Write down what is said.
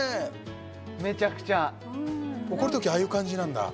めちゃくちゃ怒るときああいう感じなんだ？